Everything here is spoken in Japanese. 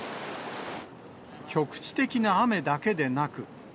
局地的な雨だけでなく。